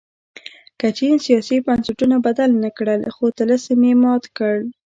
که چین سیاسي بنسټونه بدل نه کړل خو طلسم یې مات کړ.